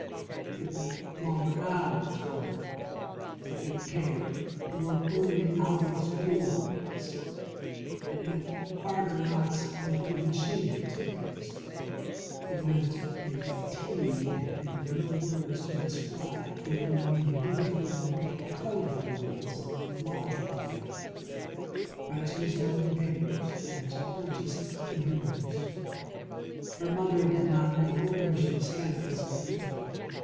It meant longer hours for her; it meant care to work only out of school hours; it meant harder knocks than even she had experienced; it meant a fatigue there were no words to describe even among the beautiful, wonderful, colourful ones the lodger taught her. But she sold the papers and she purchased the booze. Her mother did not know where she spent this extra time.